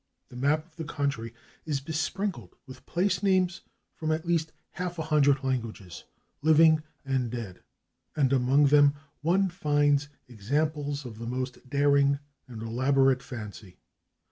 The map of the country is besprinkled with place names from at least half a hundred languages, living and dead, and among them one finds examples of the most daring and elaborate fancy.